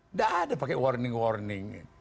nggak ada pakai warning warning